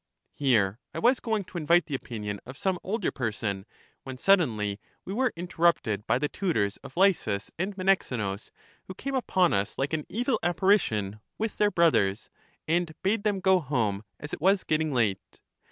Here I was going to invite the opinion v^ some older person, when suddenlj^ we were interrupted by the tutors of Lysis and Menexenus, who came upon us like an evil apparition with their brothers, and bade them go home, as it was getting late.